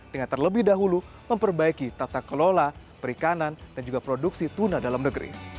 dengan terlebih dahulu memperbaiki tata kelola perikanan dan juga produksi tuna dalam negeri